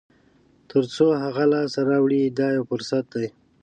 تر څو هغه لاسته راوړئ دا یو فرصت دی.